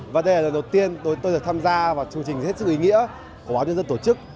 và đây là lần đầu tiên tôi tham gia vào chương trình hết sức ý nghĩa của báo nhân dân tổ chức